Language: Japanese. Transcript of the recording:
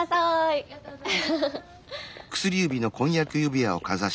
ありがとうございます。